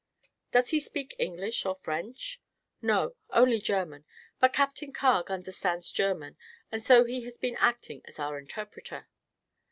"Does he speak English or French?" "No; only German. But Captain Carg understands German and so he has been acting as our interpreter."